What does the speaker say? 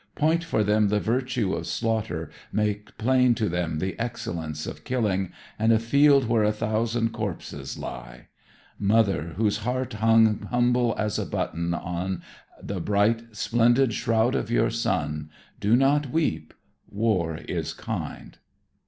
Point for them the virtue of slaughter, Make plain to them the excellence of killing, And a field where a thousand corpses lie. Mother whose heart hung humble as a button On the bright, splendid shroud of your son, Do not weep, War is kind.